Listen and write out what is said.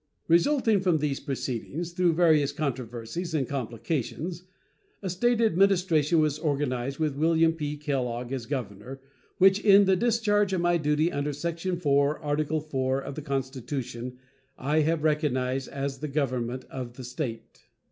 Resulting from these proceedings, through various controversies and complications, a State administration was organized with William P. Kellogg as governor, which, in the discharge of my duty under section 4, Article IV, of the Constitution, I have recognized as the government of the State.